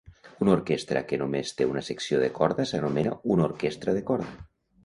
Una orquestra que només té una secció de corda s'anomena una orquestra de corda.